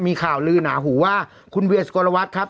มีข่าวลือหนาหูว่าคุณเวียสกลวัฒน์ครับ